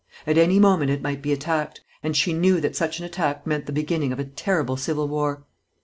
At any moment it might be attacked, and she knew that such an attack meant the beginning of a terrible civil war.